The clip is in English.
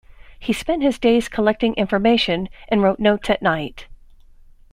He spent his days collecting information, and wrote notes at night.